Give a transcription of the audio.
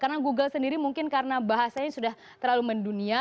karena google sendiri mungkin karena bahasanya sudah terlalu mendunia